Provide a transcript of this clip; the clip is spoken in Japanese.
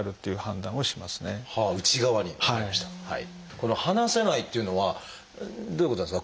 この「話せない」っていうのはどういうことなんですか？